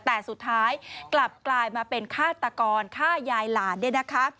แต่สุดท้ายกลับกลายมาเป็นฆาตกรฆ่ายายหลาน